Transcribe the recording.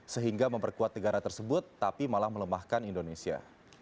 sehingga memperkuat negara tersebut tapi malah melemahkan indonesia